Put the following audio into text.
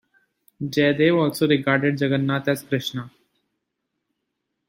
Jayadeva also regarded Jagannath as Krishna.